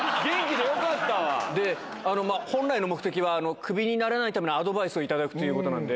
で、本来の目的は、クビにならないためのアドバイスを頂くということなんで。